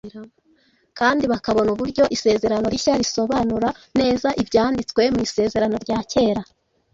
kandi bakabona uburyo Isezerano Rishya risobanura neza Ibyanditswe mu Isezerano rya Kera,